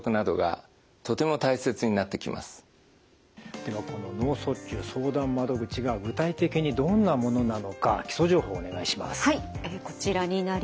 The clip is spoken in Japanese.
ではこの脳卒中相談窓口が具体的にどんなものなのか基礎情報をお願いします。